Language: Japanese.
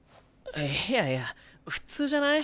いやいや普通じゃない？